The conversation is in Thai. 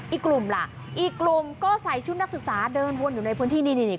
อีกกลุ่มล่ะอีกกลุ่มก็ใส่ชุดนักศึกษาเดินวนอยู่ในพื้นที่นี่